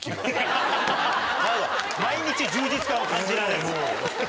毎日充実感を感じられる。